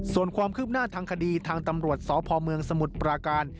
ส่วนความคืบหน้าทางคดีทางตำรวจสพเมืองสมุทรปราการ